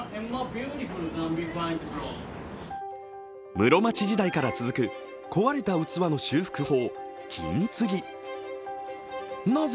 室町時代から続く壊れた器の修復法